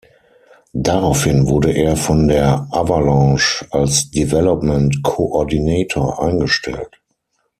Daraufhin wurde er von der Avalanche als "Development Coordinator" eingestellt.